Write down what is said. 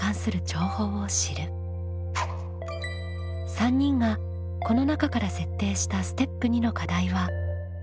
３人がこの中から設定したステップ２の課題はこちら。